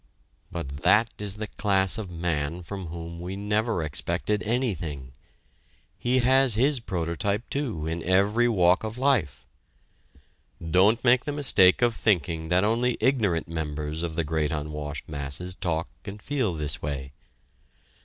But that is the class of man from whom we never expected anything. He has his prototype, too, in every walk of life. Don't make the mistake of thinking that only ignorant members of the great unwashed masses talk and feel this way.